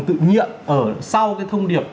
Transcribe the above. tự nhiệm sau cái thông điệp